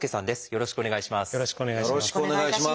よろしくお願いします。